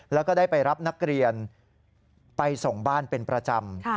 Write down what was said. แล้วก็ได้ไปรับนักเรียนไปส่งบ้านเป็นประจำ